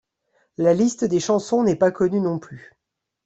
La liste des chansons n'est pas connue non plus.